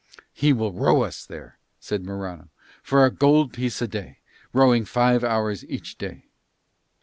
"He will row us there," said Morano, "for a gold piece a day, rowing five hours each day."